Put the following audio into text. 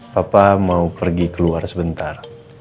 papa mau pergi keluar sebentar